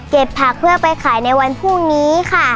ผักเพื่อไปขายในวันพรุ่งนี้ค่ะ